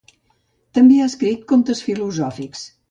També ha escrit contes filosòfics.